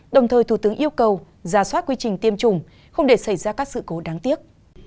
đồng thời thủ tướng yêu cầu giả soát quy trình tiêm chủng không để xảy ra các sự cố đáng tiếc